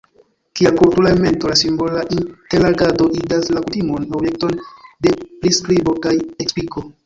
Kiel kultura elemento la simbola interagado igas la kutimon objekton de priskribo kaj ekspliko.